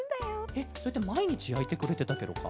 えっそれってまいにちやいてくれてたケロか？